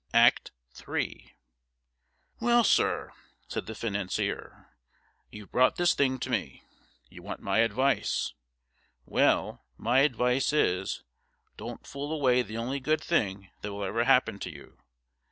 Act III 'Well, sir,' said the financier, 'you've brought this thing to me. You want my advice. Well, my advice is, don't fool away the only good thing that will ever happen to you.